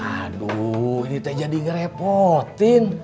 aduh ini teh jadi ngerepotin